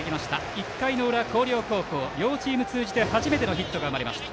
１回の裏、広陵両チーム通じて初ヒットが生まれました。